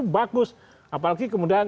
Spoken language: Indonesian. bagus apalagi kemudian